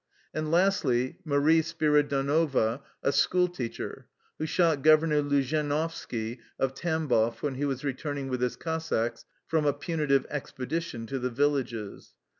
And lastly Marie Spiri donova, a school teacher, who shot Governor Luzhenovski of Tambov when he was returning with his Cossacks from a punitive expedition to the villages.